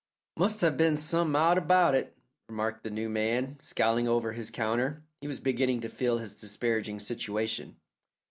"Must have been some out about it," remarked the new man, scowling over his counter. He was beginning to feel his disparaging situation.